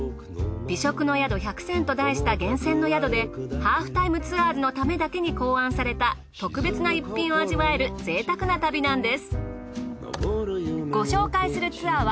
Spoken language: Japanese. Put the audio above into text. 美食の宿１００選と題した厳選の宿で『ハーフタイムツアーズ』のためだけに考案された特別な逸品を味わえるぜいたくな旅なんです。